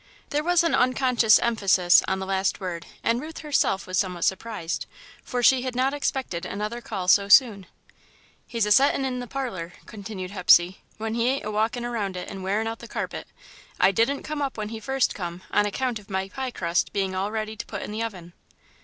There was an unconscious emphasis on the last word, and Ruth herself was somewhat surprised, for she had not expected another call so soon. "He's a settin' 'n in the parlour," continued Hepsey, "when he ain't a walkin' around it and wearin' out the carpet. I didn't come up when he first come, on account of my pie crust bein' all ready to put in the oven."